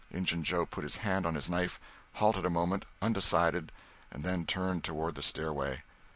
Injun Joe put his hand on his knife, halted a moment, undecided, and then turned toward the stairway.